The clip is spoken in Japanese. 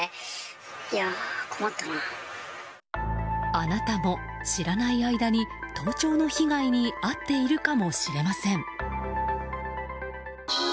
あなたも知らない間に盗聴の被害に遭っているかもしれません。